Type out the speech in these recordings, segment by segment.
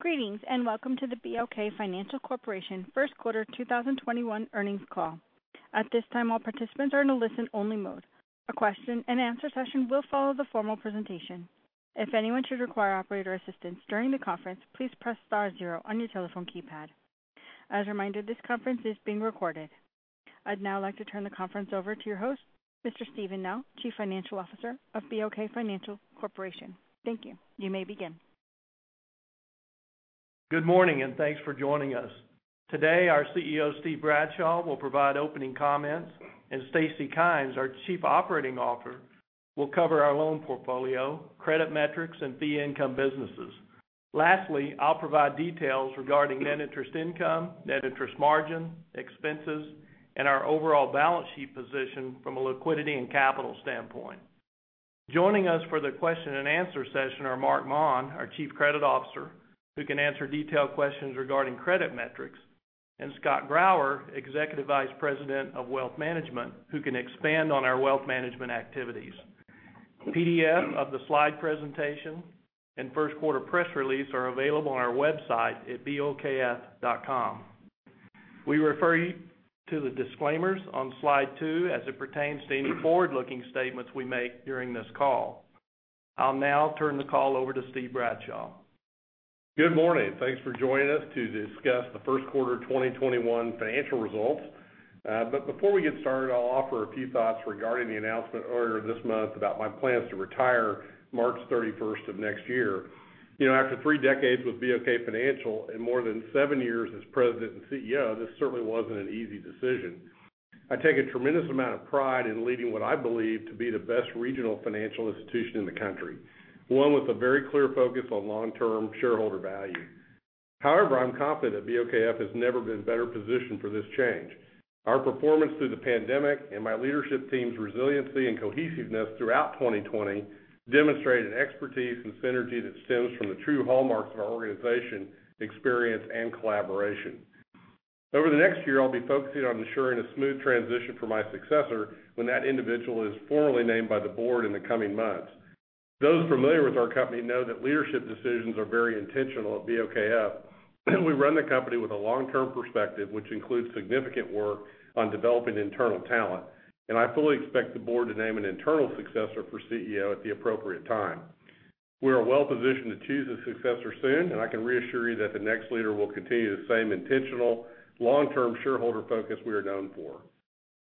I'd now like to turn the conference over to your host, Mr. Steven Nell, Chief Financial Officer of BOK Financial Corporation. Thank you. You may begin. Good morning, and thanks for joining us. Today our CEO, Steve Bradshaw, will provide opening comments, and Stacy Kymes, our Chief Operating Officer, will cover our loan portfolio, credit metrics, and fee income businesses. Lastly, I'll provide details regarding net interest income, net interest margin, expenses, and our overall balance sheet position from a liquidity and capital standpoint. Joining us for the question-and-answer session are Marc Maun, our Chief Credit Officer, who can answer detailed questions regarding credit metrics, and Scott Grauer, Executive Vice President of Wealth Management, who can expand on our wealth management activities. A PDF of the slide presentation and first quarter press release are available on our website at bokf.com. We refer you to the disclaimers on slide two as it pertains to any forward-looking statements we make during this call. I'll now turn the call over to Steve Bradshaw. Good morning. Thanks for joining us to discuss the first quarter 2021 financial results. Before we get started, I'll offer a few thoughts regarding the announcement earlier this month about my plans to retire March 31st of next year. After three decades with BOK Financial and more than seven years as President and CEO, this certainly wasn't an easy decision. I take a tremendous amount of pride in leading what I believe to be the best regional financial institution in the country. One with a very clear focus on long-term shareholder value. However, I'm confident that BOKF has never been better positioned for this change. Our performance through the pandemic and my leadership team's resiliency and cohesiveness throughout 2020 demonstrated an expertise and synergy that stems from the true hallmarks of our organization, experience, and collaboration. Over the next year, I'll be focusing on ensuring a smooth transition for my successor when that individual is formally named by the board in the coming months. Those familiar with our company know that leadership decisions are very intentional at BOKF. We run the company with a long-term perspective, which includes significant work on developing internal talent, and I fully expect the board to name an internal successor for CEO at the appropriate time. We are well-positioned to choose a successor soon, and I can reassure you that the next leader will continue the same intentional long-term shareholder focus we are known for.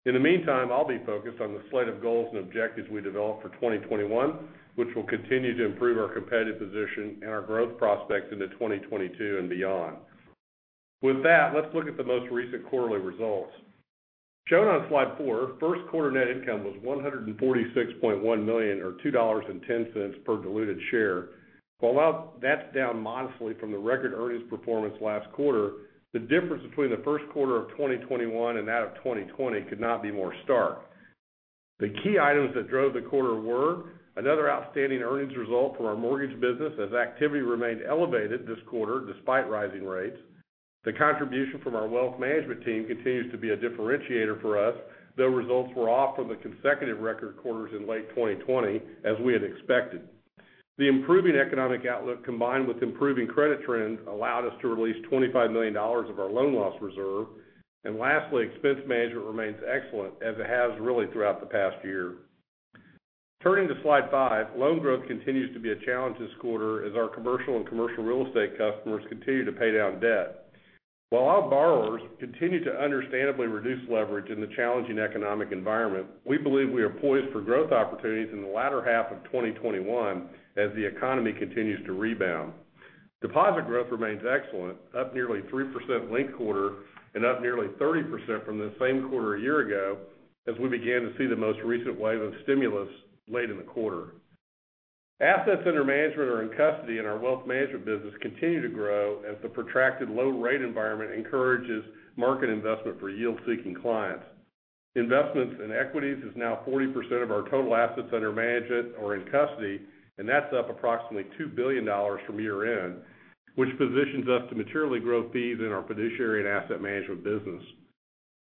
In the meantime, I'll be focused on the slate of goals and objectives we developed for 2021, which will continue to improve our competitive position and our growth prospects into 2022 and beyond. With that, let's look at the most recent quarterly results. Shown on slide four, first quarter net income was $146.1 million, or $2.10 per diluted share. While that's down modestly from the record earnings performance last quarter, the difference between the first quarter of 2021 and that of 2020 could not be more stark. The key items that drove the quarter were another outstanding earnings result from our mortgage business as activity remained elevated this quarter despite rising rates. The contribution from our wealth management team continues to be a differentiator for us, though results were off from the consecutive record quarters in late 2020 as we had expected. The improving economic outlook, combined with improving credit trends, allowed us to release $25 million of our loan loss reserve. Lastly, expense management remains excellent as it has really throughout the past year. Turning to slide five, loan growth continues to be a challenge this quarter as our commercial and commercial real estate customers continue to pay down debt. While our borrowers continue to understandably reduce leverage in the challenging economic environment, we believe we are poised for growth opportunities in the latter half of 2021 as the economy continues to rebound. Deposit growth remains excellent, up nearly 3% linked quarter and up nearly 30% from the same quarter a year ago as we began to see the most recent wave of stimulus late in the quarter. Assets under management or in custody in our wealth management business continue to grow as the protracted low rate environment encourages market investment for yield-seeking clients. Investments in equities is now 40% of our total assets under management or in custody, and that's up approximately $2 billion from year-end, which positions us to materially grow fees in our fiduciary and asset management business.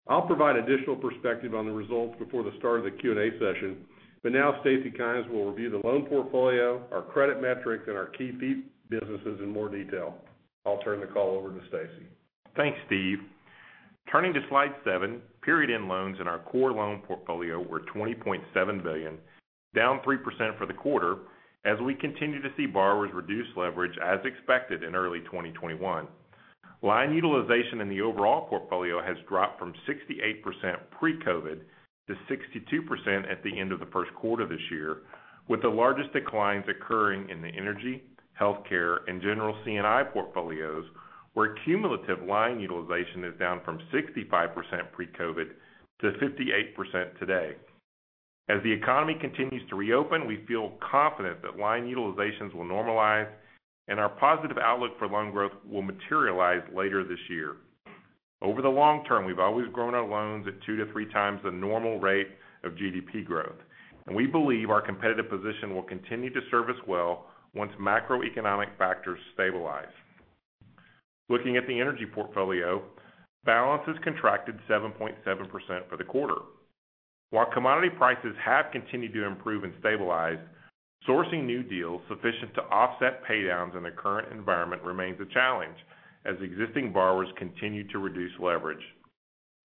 I'll provide additional perspective on the results before the start of the Q&A session. Now Stacy Kymes will review the loan portfolio, our credit metrics, and our key fee businesses in more detail. I'll turn the call over to Stacy. Thanks, Steve. Turning to slide seven, period-end loans in our core loan portfolio were $20.7 billion, down 3% for the quarter as we continue to see borrowers reduce leverage as expected in early 2021. Line utilization in the overall portfolio has dropped from 68% pre-COVID to 62% at the end of the first quarter this year, with the largest declines occurring in the energy, healthcare, and general C&I portfolios, where cumulative line utilization is down from 65% pre-COVID to 58% today. As the economy continues to reopen, we feel confident that line utilizations will normalize and our positive outlook for loan growth will materialize later this year. Over the long term, we've always grown our loans at two to three times the normal rate of GDP growth, and we believe our competitive position will continue to serve us well once macroeconomic factors stabilize. Looking at the energy portfolio, balances contracted 7.7% for the quarter. While commodity prices have continued to improve and stabilize, sourcing new deals sufficient to offset pay-downs in the current environment remains a challenge as existing borrowers continue to reduce leverage.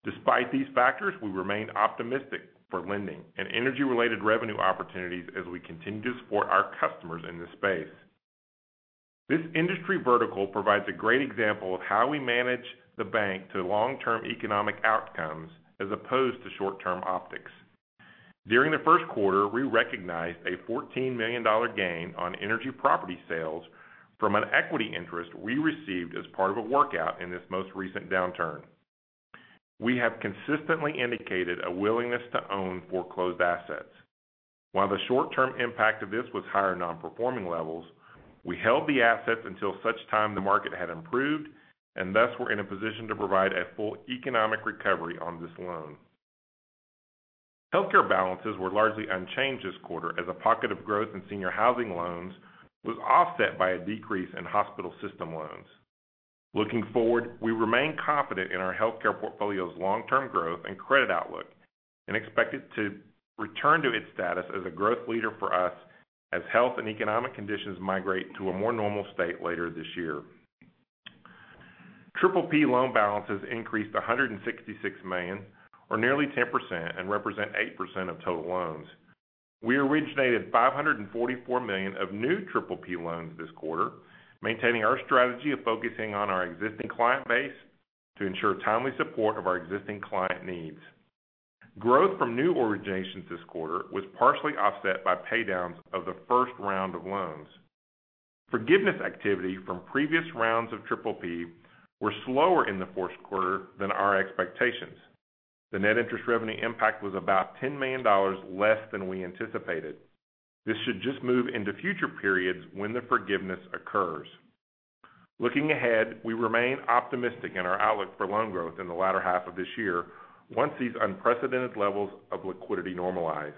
Despite these factors, we remain optimistic for lending and energy-related revenue opportunities as we continue to support our customers in this space. This industry vertical provides a great example of how we manage the bank to long-term economic outcomes as opposed to short-term optics. During the first quarter, we recognized a $14 million gain on energy property sales from an equity interest we received as part of a workout in this most recent downturn. We have consistently indicated a willingness to own foreclosed assets. While the short-term impact of this was higher non-performing levels, we held the assets until such time the market had improved, and thus we're in a position to provide a full economic recovery on this loan. Healthcare balances were largely unchanged this quarter as a pocket of growth in senior housing loans was offset by a decrease in hospital system loans. Looking forward, we remain confident in our healthcare portfolio's long-term growth and credit outlook, and expect it to return to its status as a growth leader for us as health and economic conditions migrate to a more normal state later this year. PPP loan balances increased to $166 million, or nearly 10%, and represent 8% of total loans. We originated $544 million of new PPP loans this quarter, maintaining our strategy of focusing on our existing client base to ensure timely support of our existing client needs. Growth from new originations this quarter was partially offset by paydowns of the first round of loans. Forgiveness activity from previous rounds of PPP were slower in the fourth quarter than our expectations. The net interest revenue impact was about $10 million less than we anticipated. This should just move into future periods when the forgiveness occurs. Looking ahead, we remain optimistic in our outlook for loan growth in the latter half of this year once these unprecedented levels of liquidity normalize.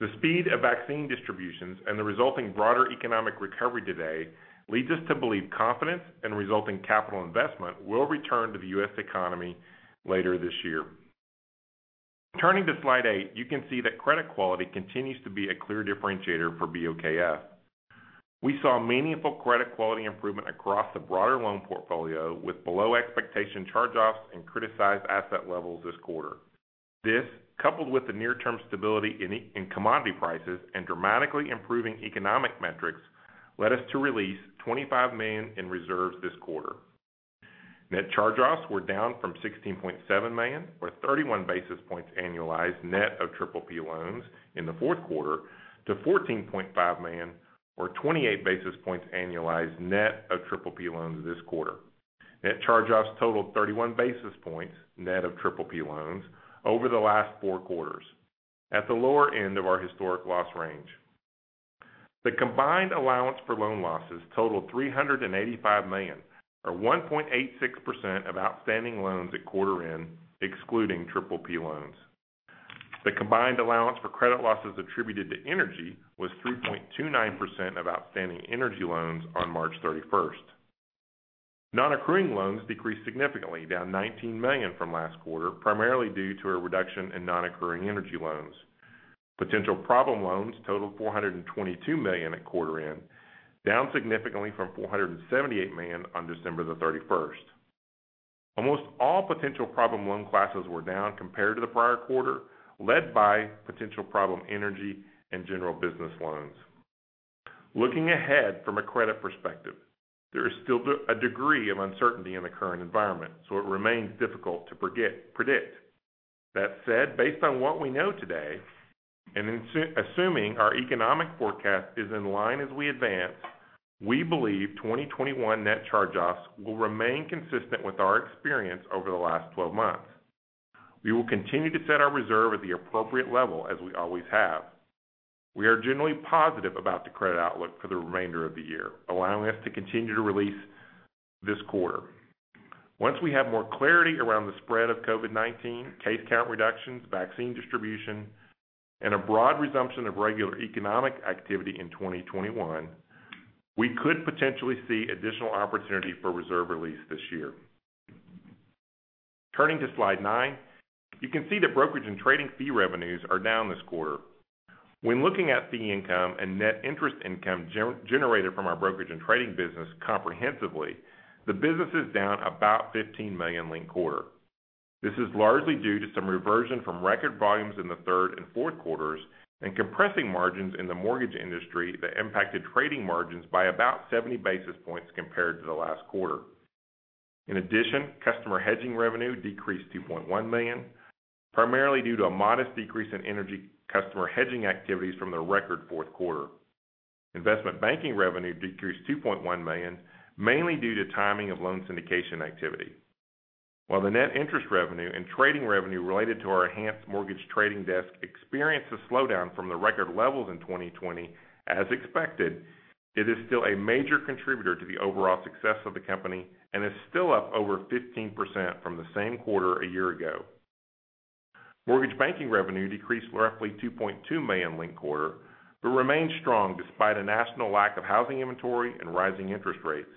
The speed of vaccine distributions and the resulting broader economic recovery today leads us to believe confidence and resulting capital investment will return to the U.S. economy later this year. Turning to slide eight, you can see that credit quality continues to be a clear differentiator for BOKF. We saw meaningful credit quality improvement across the broader loan portfolio, with below-expectation charge-offs and criticized asset levels this quarter. This, coupled with the near-term stability in commodity prices and dramatically improving economic metrics, led us to release $25 million in reserves this quarter. Net charge-offs were down from $16.7 million, or 31 basis points annualized net of PPP loans in the fourth quarter to $14.5 million or 28 basis points annualized net of PPP loans this quarter. Net charge-offs totaled 31 basis points net of PPP loans over the last four quarters, at the lower end of our historic loss range. The combined allowance for loan losses totaled $385 million, or 1.86% of outstanding loans at quarter end, excluding PPP loans. The combined allowance for credit losses attributed to energy was 3.29% of outstanding energy loans on March 31st. Non-accruing loans decreased significantly, down $19 million from last quarter, primarily due to a reduction in non-accruing energy loans. Potential problem loans totaled $422 million at quarter end, down significantly from $478 million on December the 31st. Almost all potential problem loan classes were down compared to the prior quarter, led by potential problem energy and general business loans. Looking ahead from a credit perspective, there is still a degree of uncertainty in the current environment, so it remains difficult to predict. That said, based on what we know today and assuming our economic forecast is in line as we advance, we believe 2021 net charge-offs will remain consistent with our experience over the last 12 months. We will continue to set our reserve at the appropriate level, as we always have. We are generally positive about the credit outlook for the remainder of the year, allowing us to continue to release this quarter. Once we have more clarity around the spread of COVID-19, case count reductions, vaccine distribution, and a broad resumption of regular economic activity in 2021, we could potentially see additional opportunity for reserve release this year. Turning to slide nine, you can see that brokerage and trading fee revenues are down this quarter. When looking at fee income and net interest income generated from our brokerage and trading business comprehensively, the business is down about $15 million linked quarter. This is largely due to some reversion from record volumes in the third and fourth quarters and compressing margins in the mortgage industry that impacted trading margins by about 70 basis points compared to the last quarter. In addition, customer hedging revenue decreased $2.1 million, primarily due to a modest decrease in energy customer hedging activities from their record fourth quarter. Investment banking revenue decreased $2.1 million, mainly due to timing of loan syndication activity. While the net interest revenue and trading revenue related to our enhanced mortgage trading desk experienced a slowdown from the record levels in 2020, as expected, it is still a major contributor to the overall success of the company and is still up over 15% from the same quarter a year ago. Mortgage banking revenue decreased roughly $2.2 million linked quarter, but remained strong despite a national lack of housing inventory and rising interest rates.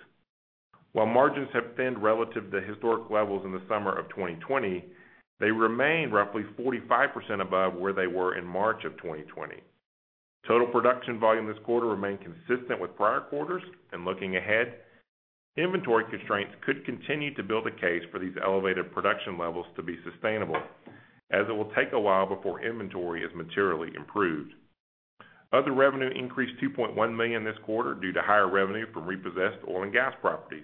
While margins have thinned relative to historic levels in the summer of 2020, they remain roughly 45% above where they were in March of 2020. Total production volume this quarter remained consistent with prior quarters. Looking ahead, inventory constraints could continue to build a case for these elevated production levels to be sustainable, as it will take a while before inventory is materially improved. Other revenue increased $2.1 million this quarter due to higher revenue from repossessed oil and gas properties.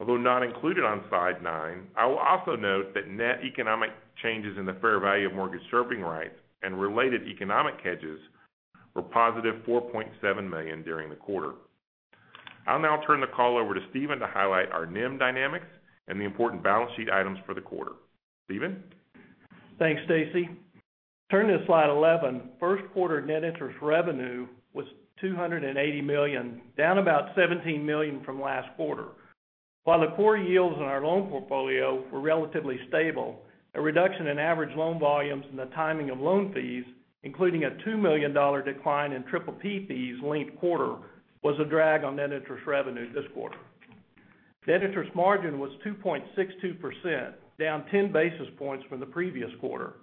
Although not included on slide nine, I will also note that net economic changes in the fair value of mortgage servicing rights and related economic hedges were $+4.7 million during the quarter. I'll now turn the call over to Steven to highlight our NIM dynamics and the important balance sheet items for the quarter. Steven? Thanks, Stacy. Turning to slide 11, first quarter net interest revenue was $280 million, down about $17 million from last quarter. While the core yields in our loan portfolio were relatively stable, a reduction in average loan volumes and the timing of loan fees, including a $2 million decline in PPP fees linked quarter, was a drag on net interest revenue this quarter. Net interest margin was 2.62%, down 10 basis points from the previous quarter.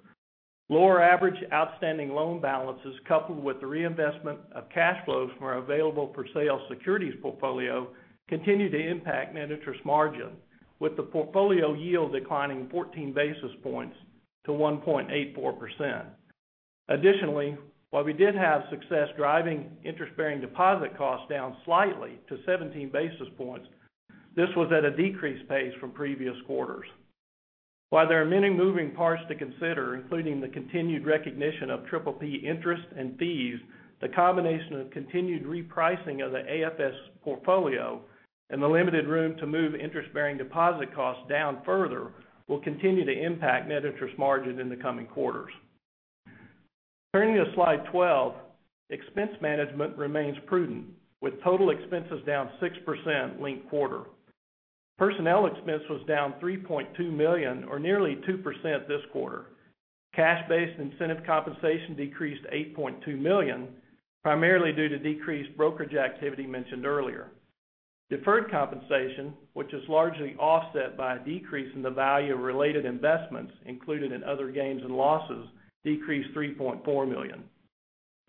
Lower average outstanding loan balances coupled with the reinvestment of cash flows from our available for sale securities portfolio continued to impact net interest margin, with the portfolio yield declining 14 basis points to 1.84%. Additionally, while we did have success driving interest-bearing deposit costs down slightly to 17 basis points, this was at a decreased pace from previous quarters. While there are many moving parts to consider, including the continued recognition of PPP interest and fees, the combination of continued repricing of the AFS portfolio and the limited room to move interest-bearing deposit costs down further will continue to impact net interest margin in the coming quarters. Turning to slide 12, expense management remains prudent with total expenses down 6% linked quarter. Personnel expense was down $3.2 million or nearly 2% this quarter. Cash-based incentive compensation decreased $8.2 million, primarily due to decreased brokerage activity mentioned earlier. Deferred compensation, which is largely offset by a decrease in the value of related investments included in other gains and losses, decreased $3.4 million.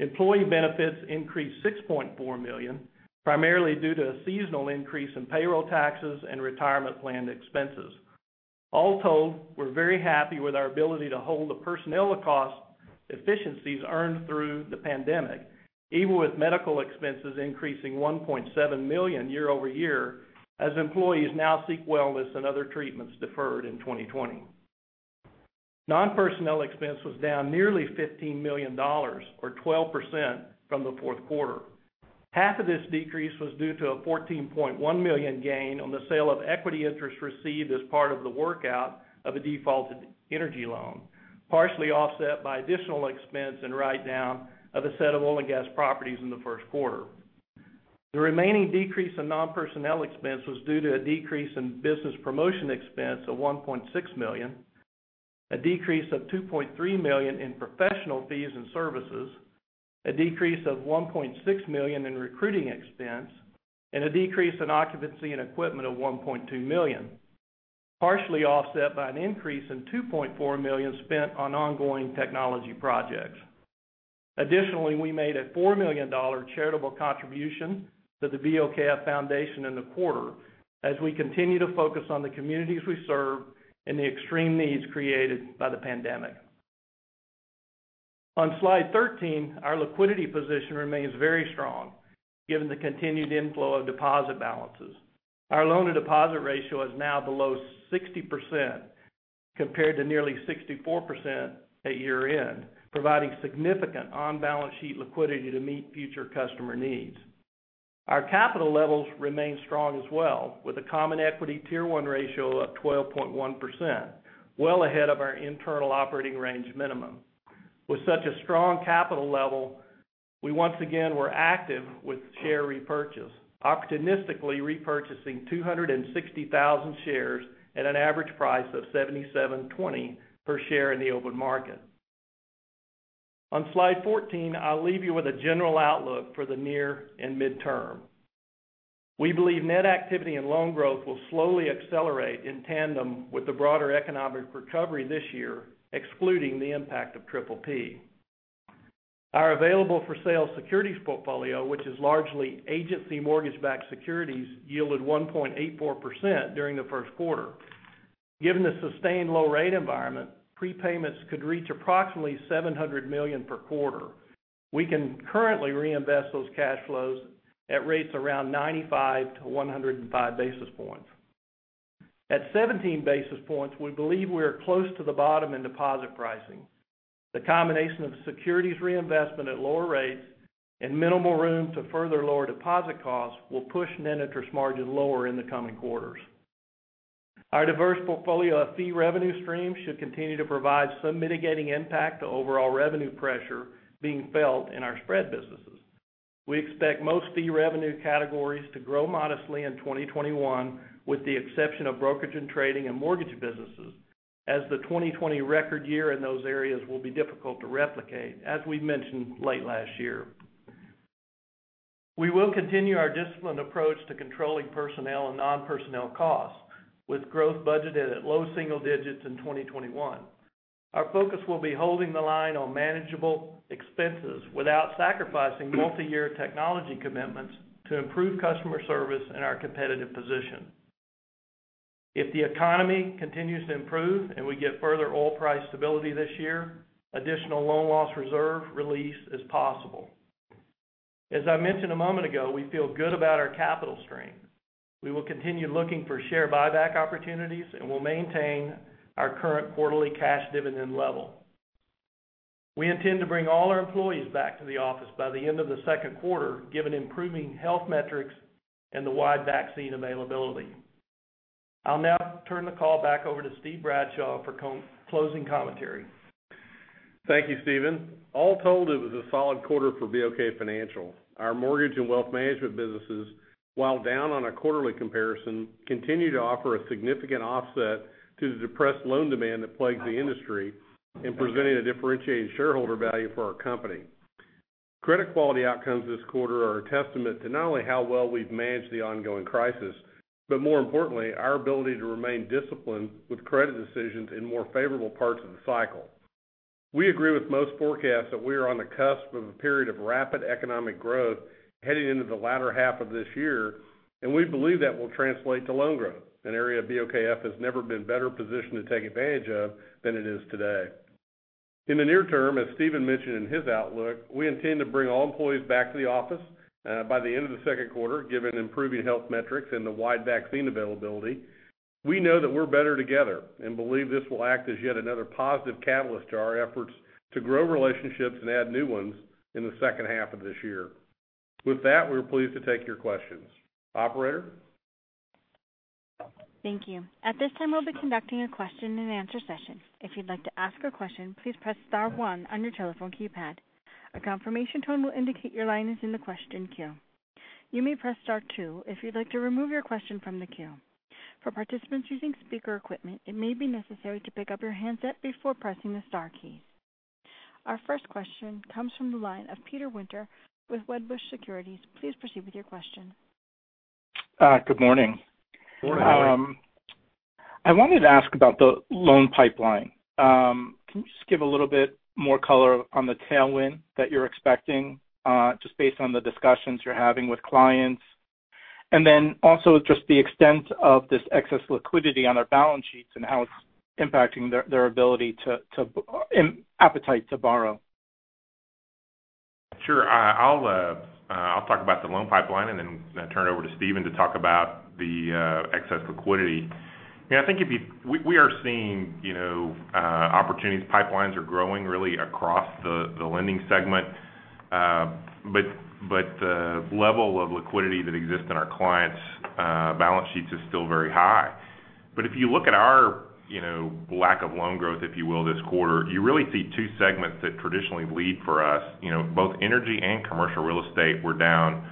Employee benefits increased $6.4 million, primarily due to a seasonal increase in payroll taxes and retirement plan expenses. All told, we're very happy with our ability to hold the personnel cost efficiencies earned through the pandemic, even with medical expenses increasing $1.7 million year-over-year, as employees now seek wellness and other treatments deferred in 2020. Non-personnel expense was down nearly $15 million or 12% from the fourth quarter. Half of this decrease was due to a $14.1 million gain on the sale of equity interest received as part of the workout of a defaulted energy loan, partially offset by additional expense and write-down of a set of oil and gas properties in the first quarter. The remaining decrease in non-personnel expense was due to a decrease in business promotion expense of $1.6 million, a decrease of $2.3 million in professional fees and services, a decrease of $1.6 million in recruiting expense, and a decrease in occupancy and equipment of $1.2 million, partially offset by an increase in $2.4 million spent on ongoing technology projects. Additionally, we made a $4 million charitable contribution to the BOKF Foundation in the quarter as we continue to focus on the communities we serve and the extreme needs created by the pandemic. On slide 13, our liquidity position remains very strong given the continued inflow of deposit balances. Our loan to deposit ratio is now below 60%, compared to nearly 64% at year-end, providing significant on-balance sheet liquidity to meet future customer needs. Our capital levels remain strong as well, with a common equity Tier 1 ratio of 12.1%, well ahead of our internal operating range minimum. With such a strong capital level, we once again were active with share repurchase, opportunistically repurchasing 260,000 shares at an average price of $77.20 per share in the open market. On slide 14, I'll leave you with a general outlook for the near and midterm. We believe net activity and loan growth will slowly accelerate in tandem with the broader economic recovery this year, excluding the impact of PPP. Our available for sale securities portfolio, which is largely agency mortgage-backed securities, yielded 1.84% during the first quarter. Given the sustained low rate environment, prepayments could reach approximately $700 million per quarter. We can currently reinvest those cash flows at rates around 95-105 basis points. At 17 basis points, we believe we are close to the bottom in deposit pricing. The combination of securities reinvestment at lower rates and minimal room to further lower deposit costs will push net interest margin lower in the coming quarters. Our diverse portfolio of fee revenue streams should continue to provide some mitigating impact to overall revenue pressure being felt in our spread businesses. We expect most fee revenue categories to grow modestly in 2021, with the exception of brokerage and trading and mortgage businesses, as the 2020 record year in those areas will be difficult to replicate, as we mentioned late last year. We will continue our disciplined approach to controlling personnel and non-personnel costs, with growth budgeted at low single digits in 2021. Our focus will be holding the line on manageable expenses without sacrificing multi-year technology commitments to improve customer service and our competitive position. If the economy continues to improve and we get further oil price stability this year, additional loan loss reserve release is possible. As I mentioned a moment ago, we feel good about our capital strength. We will continue looking for share buyback opportunities and will maintain our current quarterly cash dividend level. We intend to bring all our employees back to the office by the end of the second quarter, given improving health metrics and the wide vaccine availability. I'll now turn the call back over to Steve Bradshaw for closing commentary. Thank you, Steven. All told, it was a solid quarter for BOK Financial. Our mortgage and wealth management businesses, while down on a quarterly comparison, continue to offer a significant offset to the depressed loan demand that plagued the industry in presenting a differentiated shareholder value for our company. Credit quality outcomes this quarter are a testament to not only how well we've managed the ongoing crisis, but more importantly, our ability to remain disciplined with credit decisions in more favorable parts of the cycle. We agree with most forecasts that we are on the cusp of a period of rapid economic growth heading into the latter half of this year, and we believe that will translate to loan growth, an area BOKF has never been better positioned to take advantage of than it is today. In the near term, as Steven mentioned in his outlook, we intend to bring all employees back to the office by the end of the second quarter, given improving health metrics and the wide vaccine availability. We know that we're better together and believe this will act as yet another positive catalyst to our efforts to grow relationships and add new ones in the second half of this year. With that, we are pleased to take your questions. Operator? Thank you. At this time I'll be conducting a question-and-answer session. If you would like to ask a question please press star one on your telephone keypad, a confirmation tone will indicate your line is in the question queue. You may press star two, If you would like to remove your question from the queue. For participants using speaker equipment it maybe necessary to pick up your handset before pressing the star key. Our first question comes from the line of Peter Winter with Wedbush Securities. Please proceed with your question. Good morning. Good morning. I wanted to ask about the loan pipeline. Can you just give a little bit more color on the tailwind that you're expecting, just based on the discussions you're having with clients? Then also just the extent of this excess liquidity on their balance sheets and how it's impacting their appetite to borrow. Sure. I'll talk about the loan pipeline and then turn it over to Steven to talk about the excess liquidity. We are seeing opportunities. Pipelines are growing really across the lending segment. The level of liquidity that exists in our clients' balance sheets is still very high. If you look at our lack of loan growth, if you will, this quarter, you really see two segments that traditionally lead for us. Both energy and commercial real estate were down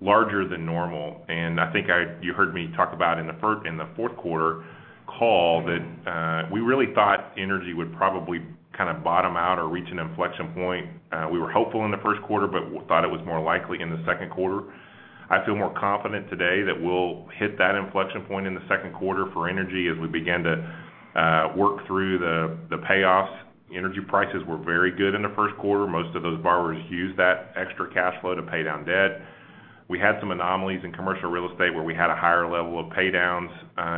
larger than normal, and I think you heard me talk about in the fourth quarter call that we really thought energy would probably kind of bottom out or reach an inflection point. We were hopeful in the first quarter, but thought it was more likely in the second quarter. I feel more confident today that we'll hit that inflection point in the second quarter for energy as we begin to work through the payoffs. Energy prices were very good in the first quarter. Most of those borrowers used that extra cash flow to pay down debt. We had some anomalies in commercial real estate where we had a higher level of pay downs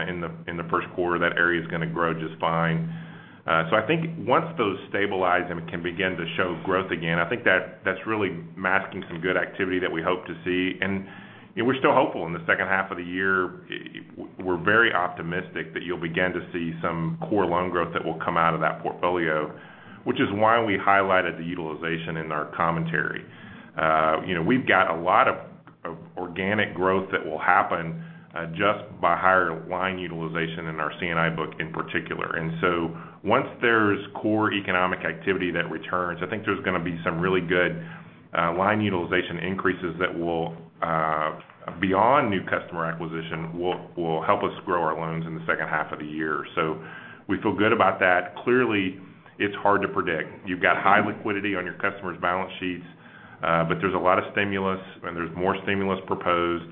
in the first quarter. That area is going to grow just fine. I think once those stabilize and we can begin to show growth again, I think that's really masking some good activity that we hope to see. We're still hopeful in the second half of the year. We're very optimistic that you'll begin to see some core loan growth that will come out of that portfolio, which is why we highlighted the utilization in our commentary. We've got a lot of organic growth that will happen just by higher line utilization in our C&I book in particular. Once there's core economic activity that returns, I think there's going to be some really good line utilization increases that will, beyond new customer acquisition, will help us grow our loans in the second half of the year. We feel good about that. Clearly, it's hard to predict. You've got high liquidity on your customers' balance sheets, but there's a lot of stimulus and there's more stimulus proposed,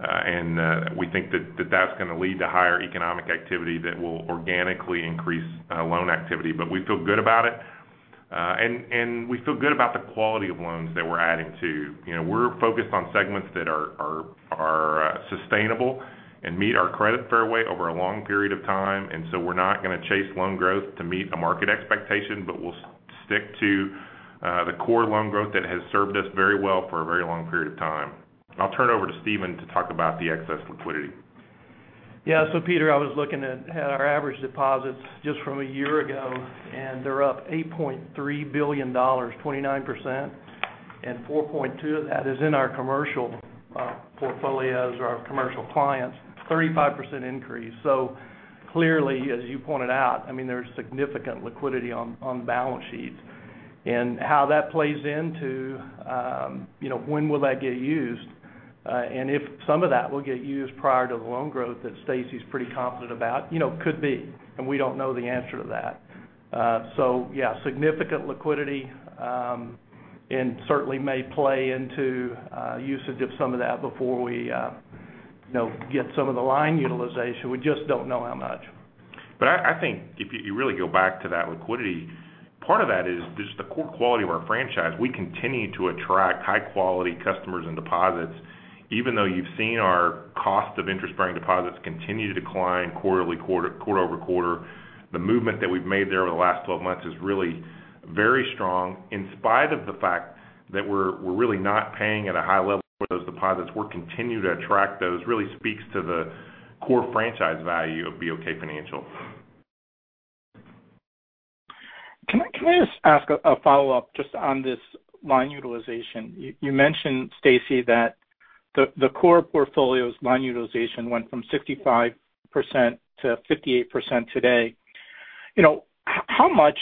and we think that that's going to lead to higher economic activity that will organically increase loan activity. We feel good about it. We feel good about the quality of loans that we're adding, too. We're focused on segments that are sustainable and meet our credit fairway over a long period of time, and so we're not going to chase loan growth to meet a market expectation, but we'll stick to the core loan growth that has served us very well for a very long period of time. I'll turn it over to Steven to talk about the excess liquidity. Yeah. Peter, I was looking at our average deposits just from a year ago, and they're up $8.3 billion, 29%, and $4.2 million of that is in our commercial portfolios or our commercial clients, 35% increase. Clearly, as you pointed out, there's significant liquidity on balance sheets. How that plays into when will that get used, and if some of that will get used prior to the loan growth that Stacy's pretty confident about, could be, and we don't know the answer to that. Yeah, significant liquidity, and certainly may play into usage of some of that before we get some of the line utilization. We just don't know how much. I think if you really go back to that liquidity, part of that is just the core quality of our franchise. We continue to attract high-quality customers and deposits. Even though you've seen our cost of interest-bearing deposits continue to decline quarterly, quarter-over-quarter, the movement that we've made there over the last 12 months is really very strong in spite of the fact that we're really not paying at a high level for those deposits. We'll continue to attract those, really speaks to the core franchise value of BOK Financial. Can I just ask a follow-up just on this line utilization? You mentioned, Stacy, that the core portfolio's line utilization went from 65% to 58% today. How much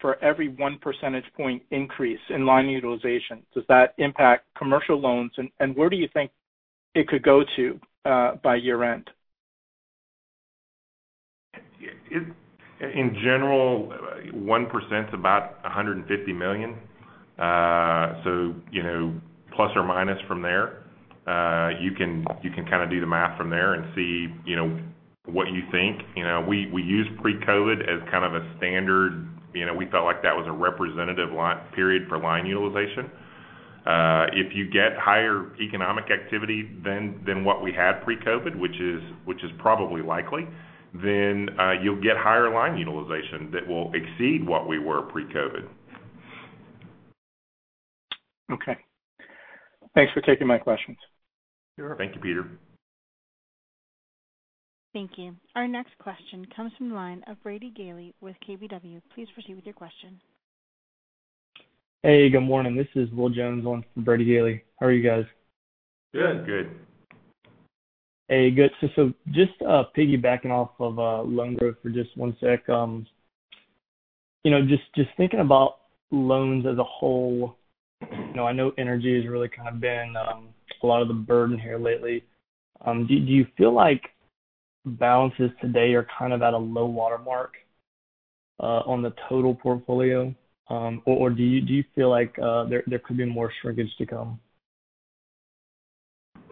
for every 1 percentage point increase in line utilization, does that impact commercial loans, and where do you think it could go to by year-end? In general, 1% is about $150 million. Plus or minus from there. You can kind of do the math from there and see what you think. We use pre-COVID as kind of a standard. We felt like that was a representative period for line utilization. If you get higher economic activity than what we had pre-COVID, which is probably likely, then you'll get higher line utilization that will exceed what we were pre-COVID. Okay. Thanks for taking my questions. Sure. Thank you, Peter. Thank you. Our next question comes from the line of Brady Gailey with KBW. Please proceed with your question. Hey, good morning. This is Will Jones on for Brady Gailey. How are you guys? Good. Good. Hey, good. Just piggybacking off of loan growth for just one sec. Just thinking about loans as a whole, I know energy has really kind of been a lot of the burden here lately. Do you feel like balances today are kind of at a low watermark on the total portfolio? Do you feel like there could be more shrinkage to come?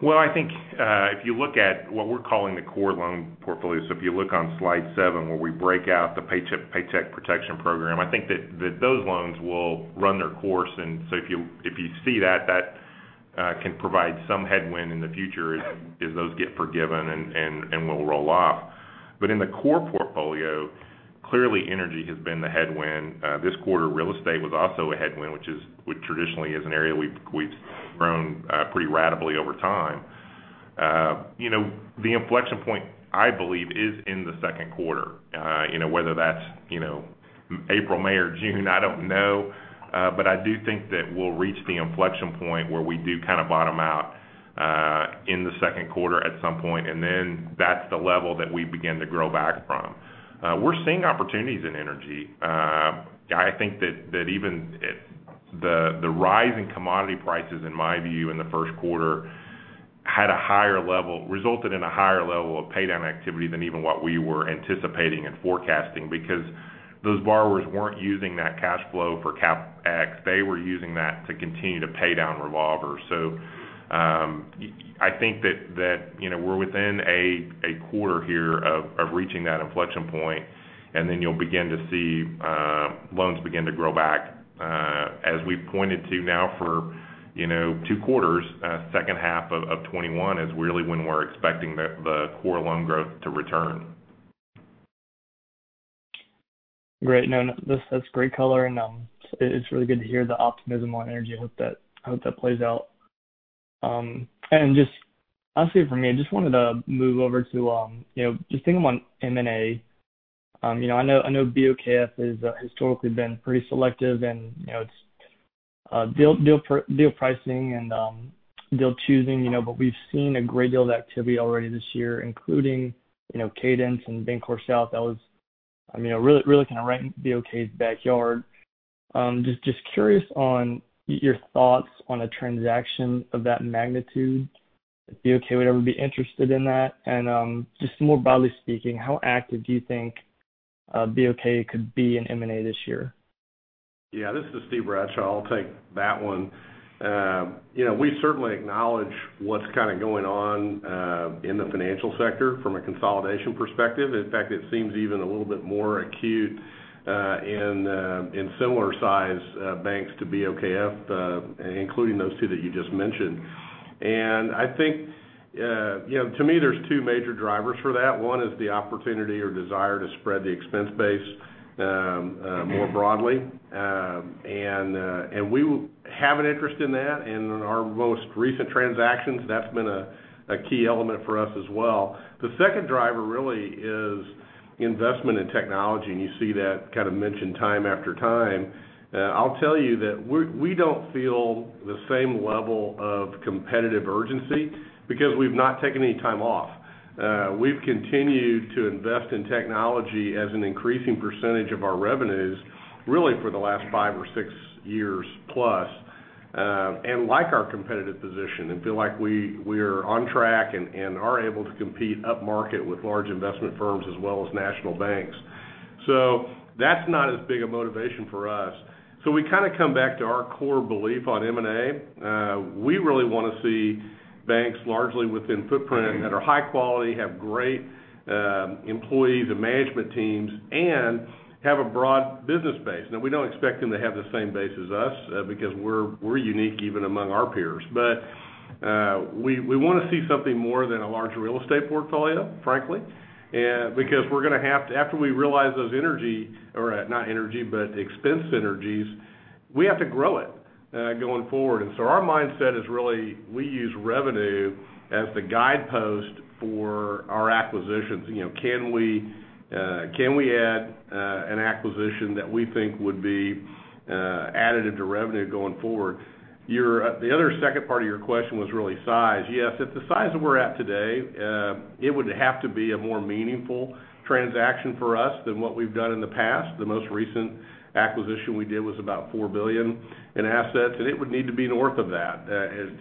Well, I think if you look at what we're calling the core loan portfolio, so if you look on slide seven where we break out the Paycheck Protection Program, I think that those loans will run their course. If you see that can provide some headwind in the future as those get forgiven and will roll off. In the core portfolio, clearly energy has been the headwind. This quarter, real estate was also a headwind, which traditionally is an area we've grown pretty rapidly over time. The inflection point, I believe, is in the second quarter. Whether that's April, May, or June, I don't know. I do think that we'll reach the inflection point where we do kind of bottom out in the second quarter at some point, and then that's the level that we begin to grow back from. We're seeing opportunities in energy. I think that even the rise in commodity prices, in my view, in the first quarter, resulted in a higher level of pay-down activity than even what we were anticipating and forecasting because those borrowers weren't using that cash flow for CapEx. They were using that to continue to pay down revolvers. I think that we're within a quarter here of reaching that inflection point, and then you'll begin to see loans begin to grow back. As we pointed to now for two quarters, second half of 2021 is really when we're expecting the core loan growth to return. Great. No, that's great color, and it's really good to hear the optimism on energy. I hope that plays out. Just honestly, for me, I just wanted to move over to just thinking about M&A. I know BOKF has historically been pretty selective in its deal pricing and deal choosing, but we've seen a great deal of activity already this year, including Cadence and BancorpSouth. That was really kind of right in BOK's backyard. Just curious on your thoughts on a transaction of that magnitude. Would BOK ever be interested in that? Just more broadly speaking, how active do you think BOK could be in M&A this year? Yeah. This is Steve Bradshaw. I'll take that one. We certainly acknowledge what's kind of going on in the financial sector from a consolidation perspective. In fact, it seems even a little bit more acute in similar size banks to BOKF, including those two that you just mentioned. I think to me, there's two major drivers for that. One is the opportunity or desire to spread the expense base more broadly. We have an interest in that. In our most recent transactions, that's been a key element for us as well. The second driver really is investment in technology. You see that kind of mentioned time after time. I'll tell you that we don't feel the same level of competitive urgency because we've not taken any time off. We've continued to invest in technology as an increasing percentage of our revenues, really for the last five or six years plus, and like our competitive position and feel like we are on track and are able to compete upmarket with large investment firms as well as national banks. That's not as big a motivation for us. We kind of come back to our core belief on M&A. We really want to see banks largely within footprint that are high quality, have great employees and management teams, and have a broad business base. Now, we don't expect them to have the same base as us because we're unique even among our peers. We want to see something more than a large real estate portfolio, frankly. After we realize those energy, or not energy, but expense synergies, we have to grow it going forward. Our mindset is really, we use revenue as the guidepost for our acquisitions. Can we add an acquisition that we think would be additive to revenue going forward? The other second part of your question was really size. Yes, at the size that we're at today, it would have to be a more meaningful transaction for us than what we've done in the past. The most recent acquisition we did was about $4 billion in assets, and it would need to be north of that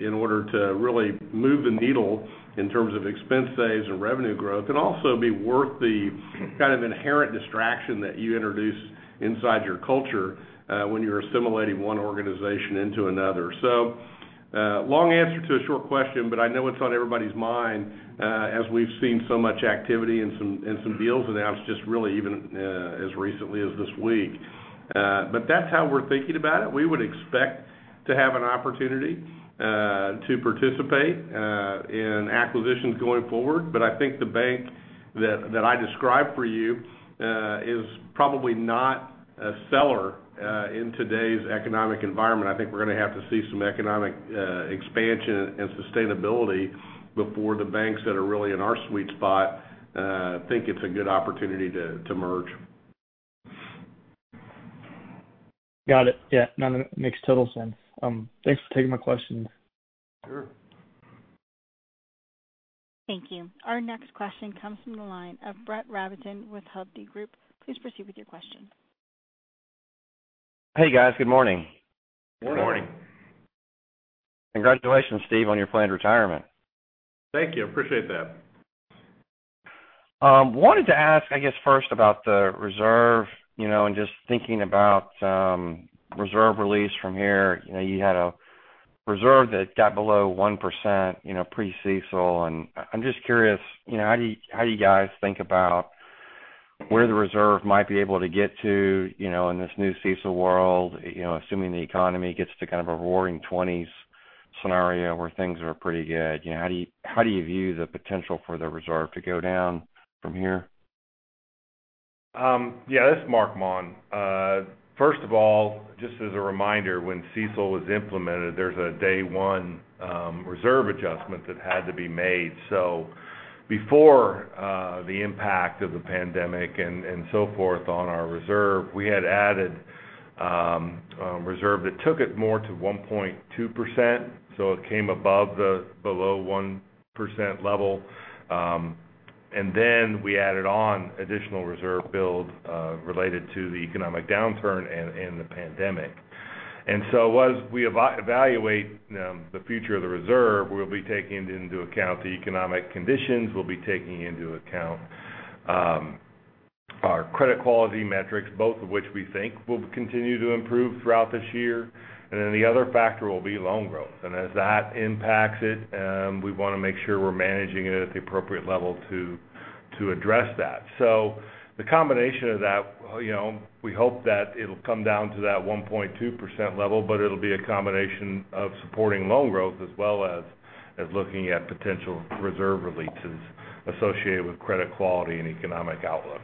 in order to really move the needle in terms of expense saves and revenue growth, and also be worth the kind of inherent distraction that you introduce inside your culture when you're assimilating one organization into another. Long answer to a short question, but I know it's on everybody's mind as we've seen so much activity and some deals announced just really even as recently as this week. That's how we're thinking about it. We would expect to have an opportunity to participate in acquisitions going forward. I think the bank that I described for you is probably not a seller in today's economic environment. I think we're going to have to see some economic expansion and sustainability before the banks that are really in our sweet spot think it's a good opportunity to merge. Got it. Yeah, makes total sense. Thanks for taking my question. Sure. Thank you. Our next question comes from the line of Brett Rabatin with Hovde Group. Please proceed with your question. Hey, guys. Good morning. Good morning. Congratulations, Steve, on your planned retirement. Thank you. Appreciate that. Wanted to ask, I guess, first about the reserve, and just thinking about reserve release from here. You had a reserve that got below 1%, pre-CECL, and I'm just curious, how do you guys think about where the reserve might be able to get to in this new CECL world, assuming the economy gets to kind of a roaring '20s scenario where things are pretty good. How do you view the potential for the reserve to go down from here? This is Marc Maun. First of all, just as a reminder, when CECL was implemented, there is a day one reserve adjustment that had to be made. Before the impact of the pandemic and so forth on our reserve, we had added reserve that took it more to 1.2%, so it came above the below 1% level. Then we added on additional reserve build related to the economic downturn and the pandemic. As we evaluate the future of the reserve, we will be taking into account the economic conditions, we will be taking into account our credit quality metrics, both of which we think will continue to improve throughout this year. The other factor will be loan growth. As that impacts it, we want to make sure we are managing it at the appropriate level to address that. The combination of that, we hope that it'll come down to that 1.2% level, but it'll be a combination of supporting loan growth as well as looking at potential reserve releases associated with credit quality and economic outlook.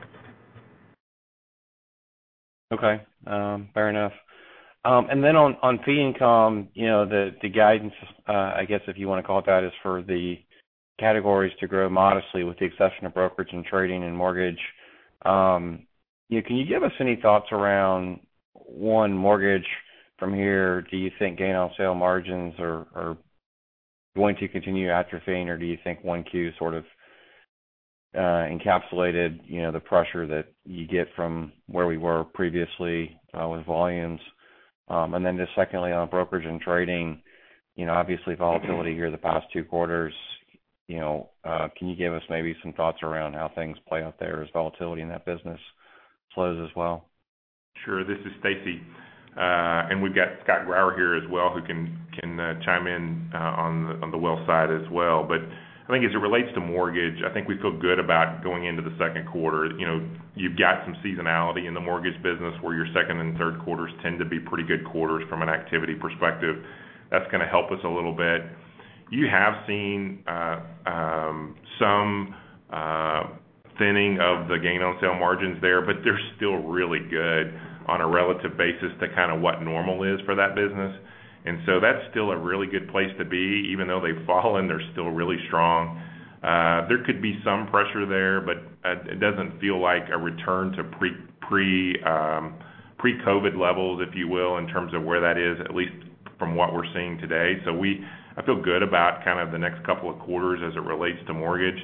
Okay. Fair enough. On fee income, the guidance, I guess if you want to call it that, is for the categories to grow modestly with the exception of brokerage and trading and mortgage. Can you give us any thoughts around, one, mortgage from here? Do you think gain-on-sale margins are going to continue atrophying, or do you think 1Q sort of encapsulated the pressure that you get from where we were previously with volumes? Just secondly, on brokerage and trading, obviously volatility here the past two quarters, can you give us maybe some thoughts around how things play out there as volatility in that business slows as well? Sure. This is Stacy. We've got Scott Grauer here as well, who can chime in on the wealth side as well. I think as it relates to mortgage, I think we feel good about going into the second quarter. You've got some seasonality in the mortgage business where your second and third quarters tend to be pretty good quarters from an activity perspective. That's going to help us a little bit. You have seen some thinning of the gain-on-sale margins there, but they're still really good on a relative basis to kind of what normal is for that business. That's still a really good place to be. Even though they've fallen, they're still really strong. There could be some pressure there, but it doesn't feel like a return to pre-COVID levels, if you will, in terms of where that is, at least from what we're seeing today. I feel good about kind of the next couple of quarters as it relates to mortgage.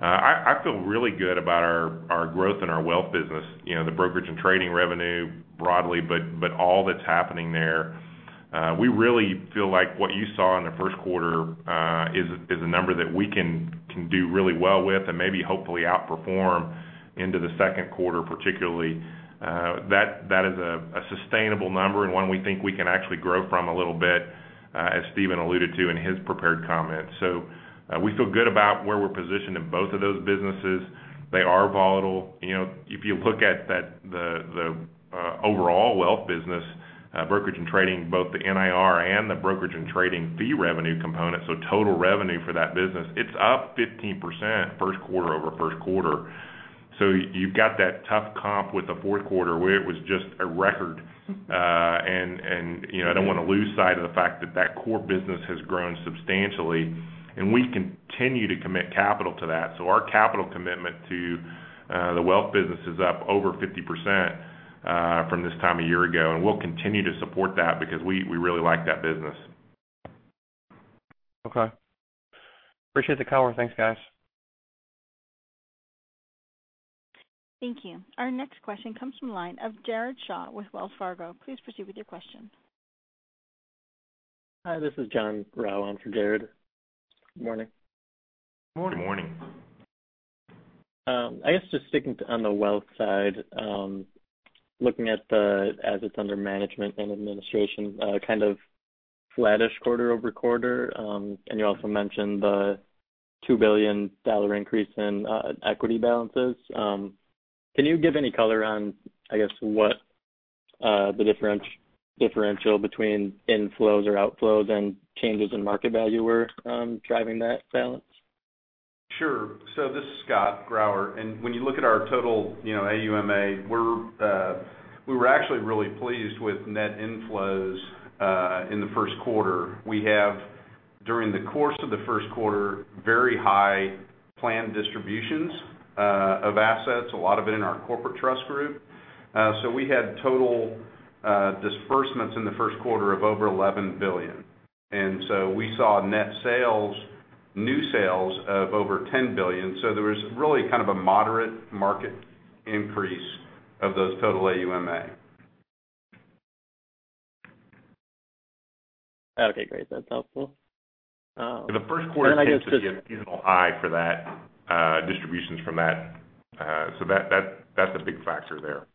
I feel really good about our growth in our wealth business, the brokerage and trading revenue broadly, but all that's happening there. We really feel like what you saw in the first quarter is a number that we can do really well with and maybe hopefully outperform into the second quarter particularly. That is a sustainable number and one we think we can actually grow from a little bit, as Steven alluded to in his prepared comments. We feel good about where we're positioned in both of those businesses. They are volatile. If you look at the overall wealth business, brokerage and trading, both the NIR and the brokerage and trading fee revenue component, total revenue for that business, it's up 15% first quarter over first quarter. You've got that tough comp with the fourth quarter where it was just a record. I don't want to lose sight of the fact that that core business has grown substantially, and we continue to commit capital to that. Our capital commitment to the wealth business is up over 50% from this time a year ago. We'll continue to support that because we really like that business. Okay. Appreciate the color. Thanks, guys. Thank you. Our next question comes from the line of Jared Shaw with Wells Fargo. Please proceed with your question. Hi, this is Jon Rau on for Jared. Good morning. Good morning. Good morning. I guess just sticking on the wealth side, looking at the assets under management and administration, kind of flattish quarter-over-quarter. You also mentioned the $2 billion increase in equity balances. Can you give any color on, I guess, what the differential between inflows or outflows and changes in market value were driving that balance? Sure. This is Scott Grauer. When you look at our total AUMA, we were actually really pleased with net inflows in the first quarter. We have, during the course of the first quarter, very high planned distributions of assets, a lot of it in our corporate trust group. We had total disbursements in the first quarter of over $11 billion. We saw net sales, new sales of over $10 billion. There was really kind of a moderate market increase of those total AUMA. Okay, great. That's helpful. The first quarter tends to be a seasonal high for that, distributions from that. That's a big factor there.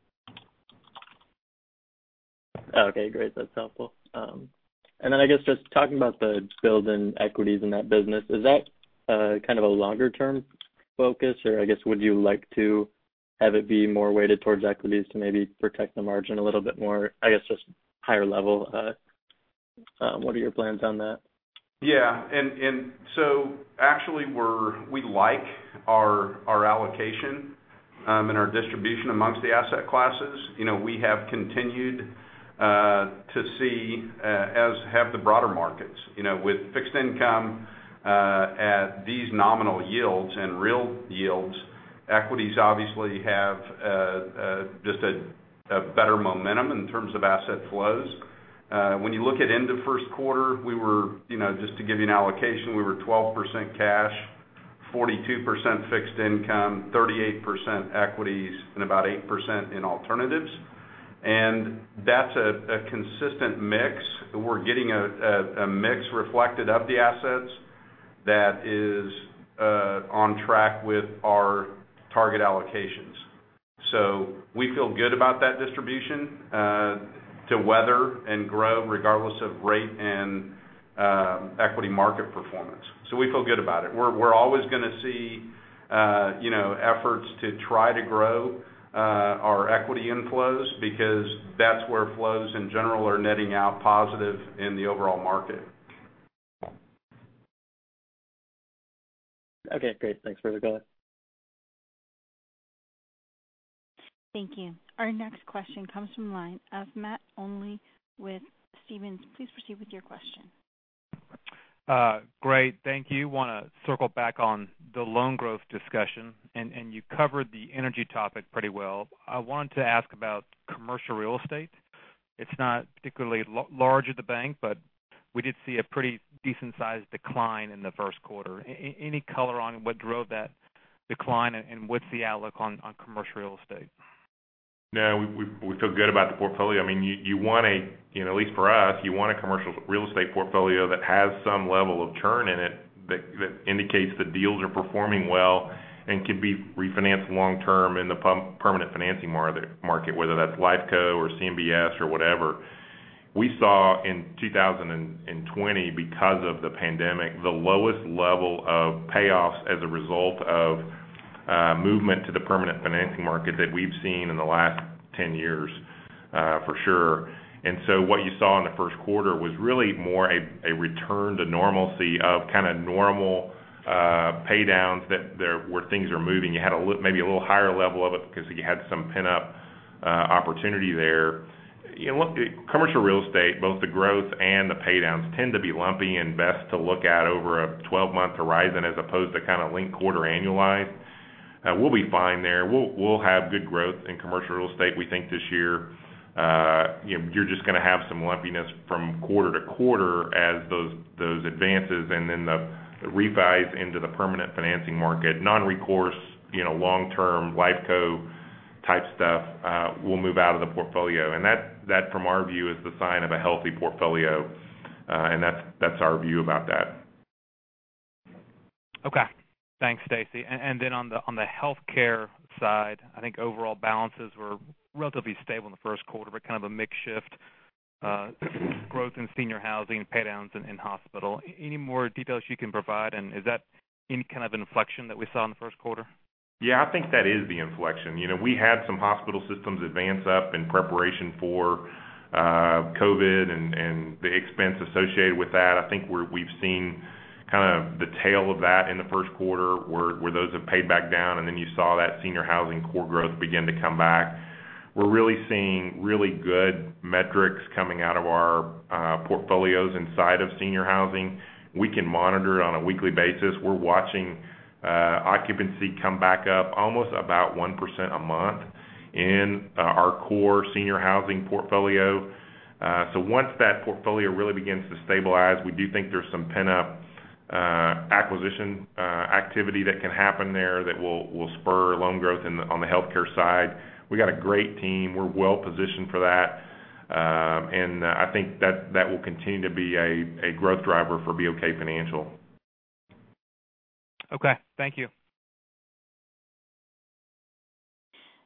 Okay, great. That's helpful. I guess just talking about the build in equities in that business, is that kind of a longer-term focus? I guess, would you like to have it be more weighted towards equities to maybe protect the margin a little bit more? I guess just higher level, what are your plans on that? Yeah. Actually, we like our allocation and our distribution amongst the asset classes. We have continued to see, as have the broader markets. With fixed income at these nominal yields and real yields, equities obviously have just a better momentum in terms of asset flows. When you look at into first quarter, just to give you an allocation, we were 12% cash, 42% fixed income, 38% equities, and about 8% in alternatives. That's a consistent mix. We're getting a mix reflected of the assets that is on track with our target allocations. We feel good about that distribution to weather and grow regardless of rate and equity market performance. We feel good about it. We're always going to see efforts to try to grow our equity inflows because that's where flows in general are netting out positive in the overall market. Okay, great. Thanks. Further dialogue. Thank you. Our next question comes from the line of Matt Olney with Stephens. Please proceed with your question. Great. Thank you. Want to circle back on the loan growth discussion. You covered the energy topic pretty well. I wanted to ask about commercial real estate. It's not particularly large at the bank. We did see a pretty decent-sized decline in the first quarter. Any color on what drove that decline, what's the outlook on commercial real estate? No, we feel good about the portfolio. At least for us, you want a commercial real estate portfolio that has some level of churn in it that indicates that deals are performing well and could be refinanced long term in the permanent financing market, whether that's LifeCo or CMBS or whatever. We saw in 2020, because of the pandemic, the lowest level of payoffs as a result of movement to the permanent financing market that we've seen in the last 10 years, for sure. What you saw in the first quarter was really more a return to normalcy of kind of normal pay downs where things are moving. You had maybe a little higher level of it because you had some pent-up opportunity there. Look, commercial real estate, both the growth and the paydowns tend to be lumpy and best to look at over a 12-month horizon as opposed to link quarter annualized. We'll be fine there. We'll have good growth in commercial real estate, we think this year. You're just going to have some lumpiness from quarter to quarter as those advances and then the refis into the permanent financing market, non-recourse, long-term LifeCo type stuff will move out of the portfolio. That from our view, is the sign of a healthy portfolio, and that's our view about that. Okay. Thanks, Stacy. On the healthcare side, I think overall balances were relatively stable in the first quarter, but kind of a mix shift growth in senior housing paydowns in hospital. Any more details you can provide? Is that any kind of inflection that we saw in the first quarter? Yeah, I think that is the inflection. We had some hospital systems advance up in preparation for COVID and the expense associated with that. I think we've seen the tail of that in the first quarter where those have paid back down. You saw that senior housing core growth begin to come back. We're really seeing really good metrics coming out of our portfolios inside of senior housing. We can monitor it on a weekly basis. We're watching occupancy come back up almost about 1% a month in our core senior housing portfolio. Once that portfolio really begins to stabilize, we do think there's some pent-up acquisition activity that can happen there that will spur loan growth on the healthcare side. We got a great team. We're well-positioned for that. I think that will continue to be a growth driver for BOK Financial. Okay. Thank you.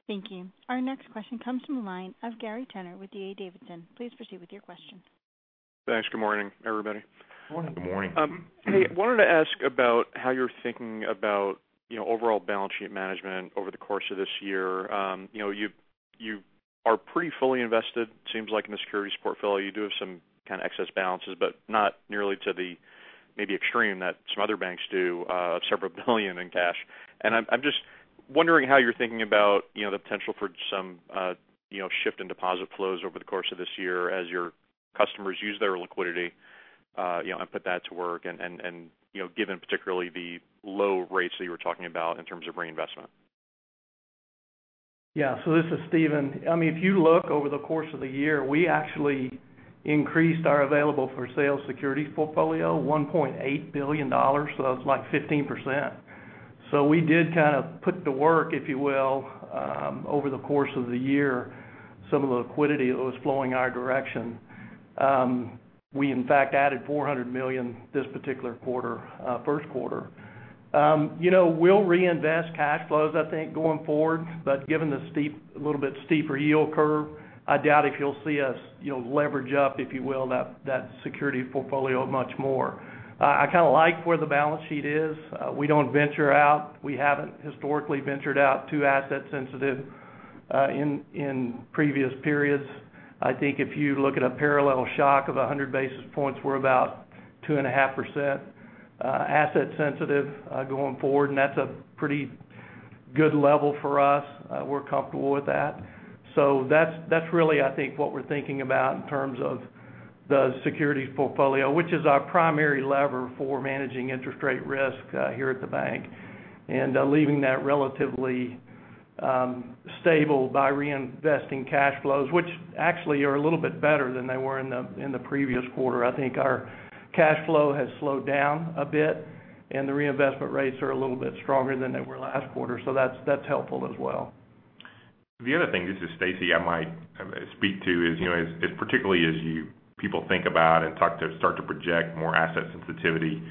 Thank you. Our next question comes from the line of Gary Tenner with D.A. Davidson. Please proceed with your question. Thanks. Good morning, everybody. Good morning. Good morning. I wanted to ask about how you're thinking about overall balance sheet management over the course of this year. You are pretty fully invested, seems like in the securities portfolio, you do have some kind of excess balances, but not nearly to the maybe extreme that some other banks do of several billion in cash. I'm just wondering how you're thinking about the potential for some shift in deposit flows over the course of this year as your customers use their liquidity and put that to work and given particularly the low rates that you were talking about in terms of reinvestment. Yeah. This is Steven. If you look over the course of the year, we actually increased our available for sale securities portfolio, $1.8 billion. That was like 15%. We did kind of put the work, if you will, over the course of the year, some of the liquidity that was flowing our direction. We in fact added $400 million this particular first quarter. We'll reinvest cash flows, I think, going forward, but given the little bit steeper yield curve, I doubt if you'll see us leverage up, if you will, that security portfolio much more. I kind of like where the balance sheet is. We don't venture out. We haven't historically ventured out too asset sensitive in previous periods. I think if you look at a parallel shock of 100 basis points, we're about 2.5% asset sensitive going forward, and that's a pretty good level for us. We're comfortable with that. That's really, I think, what we're thinking about in terms of the securities portfolio, which is our primary lever for managing interest rate risk here at the bank. Leaving that relatively stable by reinvesting cash flows, which actually are a little bit better than they were in the previous quarter. I think our cash flow has slowed down a bit, and the reinvestment rates are a little bit stronger than they were last quarter. That's helpful as well. The other thing, this is Stacy, I might speak to is, particularly as you people think about and start to project more asset sensitivity.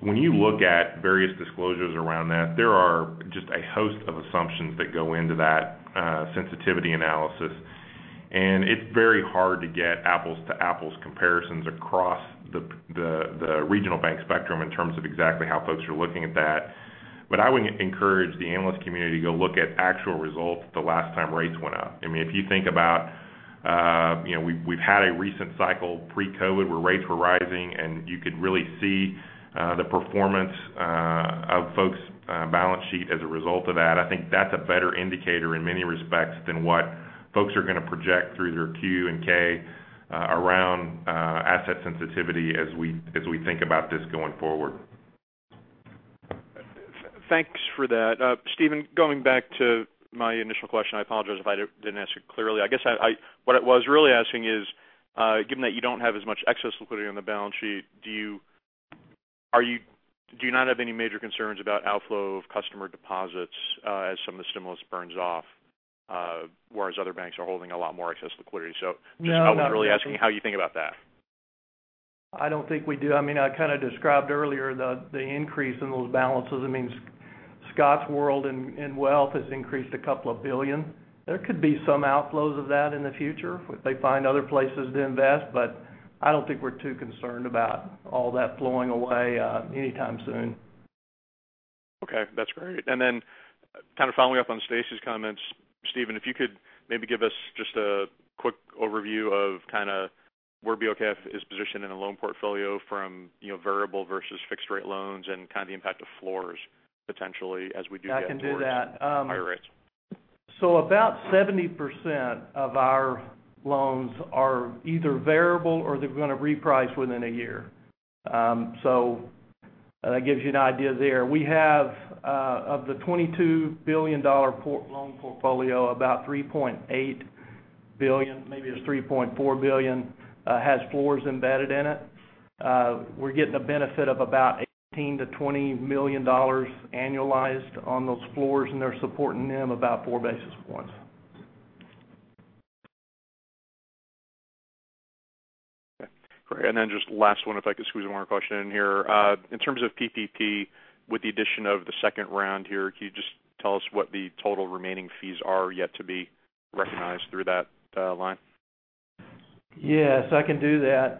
When you look at various disclosures around that, there are just a host of assumptions that go into that sensitivity analysis. It's very hard to get apples to apples comparisons across the regional bank spectrum in terms of exactly how folks are looking at that. I would encourage the analyst community to go look at actual results the last time rates went up. If you think about, we've had a recent cycle pre-COVID where rates were rising, and you could really see the performance of folks' balance sheet as a result of that. I think that's a better indicator in many respects than what folks are going to project through their Q and K around asset sensitivity as we think about this going forward. Thanks for that. Steven, going back to my initial question, I apologize if I didn't ask it clearly. I guess what I was really asking is, given that you don't have as much excess liquidity on the balance sheet, do you not have any major concerns about outflow of customer deposits as some of the stimulus burns off? Whereas other banks are holding a lot more excess liquidity. No I was really asking how you think about that? I don't think we do. I kind of described earlier the increase in those balances. Scott's world in wealth has increased a couple of billion. There could be some outflows of that in the future if they find other places to invest, but I don't think we're too concerned about all that flowing away anytime soon. Okay. That's great. Following up on Stacy's comments, Steven, if you could maybe give us just a quick overview of Where BOK is positioned in a loan portfolio from variable versus fixed rate loans and the impact of floors potentially- I can do that. ...higher rates. About 70% of our loans are either variable or they're going to reprice within a year. That gives you an idea there. We have, of the $22 billion loan portfolio, about $3.8 billion, maybe it's $3.4 billion, has floors embedded in it. We're getting a benefit of about $18 million-$20 million annualized on those floors, and they're supporting NIM about four basis points. Okay, great. Just last one, if I could squeeze one more question in here. In terms of PPP, with the addition of the second round here, can you just tell us what the total remaining fees are yet to be recognized through that line? Yes, I can do that.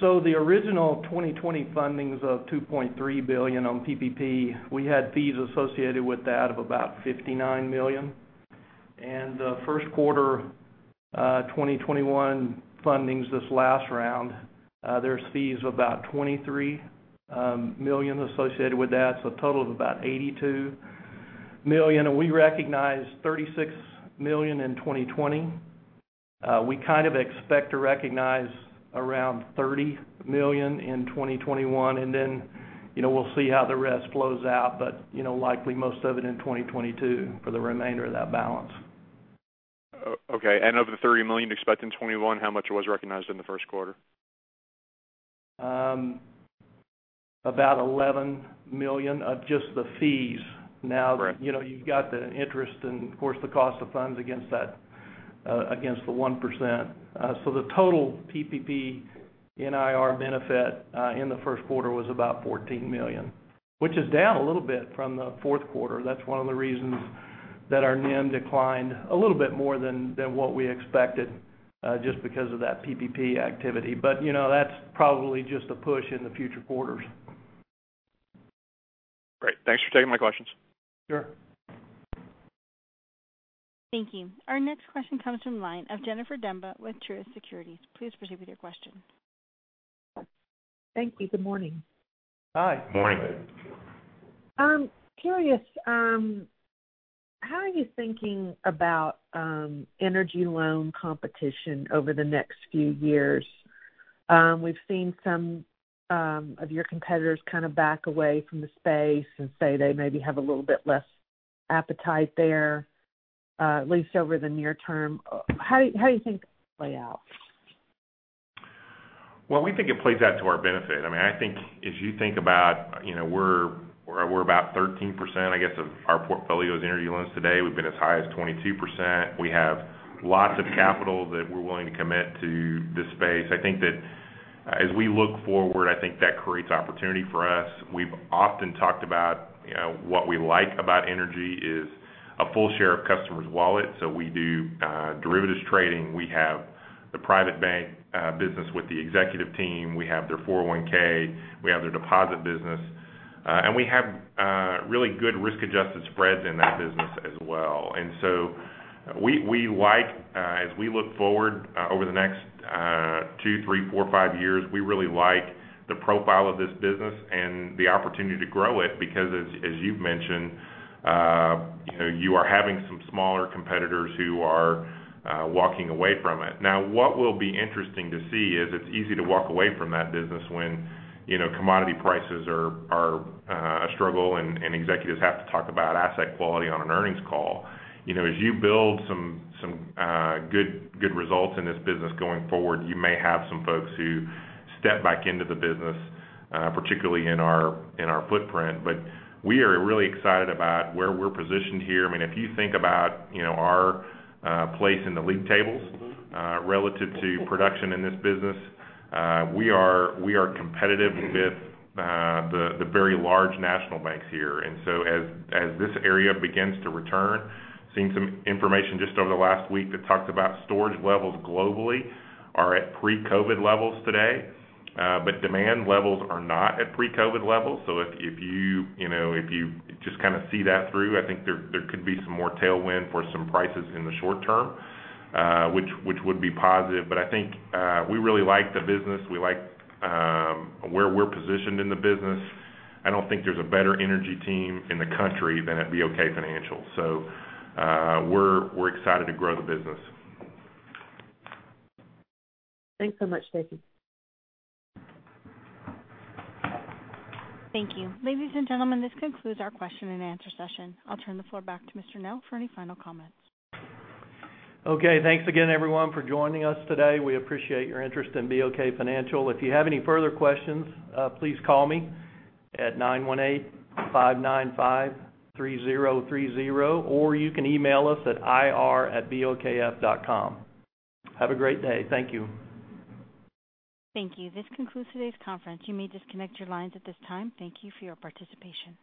The original 2020 fundings of $2.3 billion on PPP, we had fees associated with that of about $59 million. The first quarter 2021 fundings this last round, there's fees of about $23 million associated with that, so a total of about $82 million, and we recognized $36 million in 2020. We kind of expect to recognize around $30 million in 2021, and then we'll see how the rest flows out. Likely most of it in 2022 for the remainder of that balance. Okay. Of the $30 million you expect in 2021, how much was recognized in the first quarter? About $11 million of just the fees- Correct. ...you've got the interest and, of course, the cost of funds against the 1%. The total PPP NIR benefit in the first quarter was about $14 million, which is down a little bit from the fourth quarter. That's one of the reasons that our NIM declined a little bit more than what we expected, just because of that PPP activity. That's probably just a push in the future quarters. Great. Thanks for taking my questions. Sure. Thank you. Our next question comes from the line of Jennifer Demba with Truist Securities. Please proceed with your question. Thank you. Good morning. Hi. Morning. I'm curious, how are you thinking about energy loan competition over the next few years? We've seen some of your competitors kind of back away from the space and say they maybe have a little bit less appetite there, at least over the near term. How do you think this will play out? Well, we think it plays out to our benefit. We're about 13%, I guess, of our portfolio is energy loans today. We've been as high as 22%. We have lots of capital that we're willing to commit to this space. I think that as we look forward, I think that creates opportunity for us. We've often talked about what we like about energy is a full share of customer's wallet. We do derivatives trading. We have the private bank business with the executive team. We have their 401(k). We have their deposit business. We have really good risk-adjusted spreads in that business as well. As we look forward over the next two, three, four, five years, we really like the profile of this business and the opportunity to grow it because as you've mentioned you are having some smaller competitors who are walking away from it. What will be interesting to see is it's easy to walk away from that business when commodity prices are a struggle and executives have to talk about asset quality on an earnings call. As you build some good results in this business going forward, you may have some folks who step back into the business, particularly in our footprint. We are really excited about where we're positioned here. If you think about our place in the league tables relative to production in this business, we are competitive with the very large national banks here. As this area begins to return, seen some information just over the last week that talked about storage levels globally are at pre-COVID levels today. Demand levels are not at pre-COVID levels. If you just kind of see that through, I think there could be some more tailwind for some prices in the short term which would be positive. I think we really like the business. We like where we're positioned in the business. I don't think there's a better energy team in the country than at BOK Financial. We're excited to grow the business. Thanks so much. Thank you. Thank you. Ladies and gentlemen, this concludes our question-and-answer session. I'll turn the floor back to Mr. Nell for any final comments. Okay, thanks again, everyone, for joining us today. We appreciate your interest in BOK Financial. If you have any further questions, please call me at 918-595-3030, or you can email us at ir@bokf.com. Have a great day. Thank you. Thank you. This concludes today's conference. You may disconnect your lines at this time. Thank you for your participation.